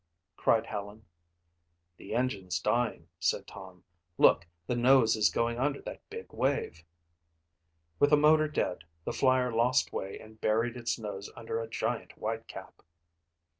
cried Helen. "The engine's dying," said Tom. "Look, the nose is going under that big wave." With the motor dead, the Flyer lost way and buried its nose under a giant white cap.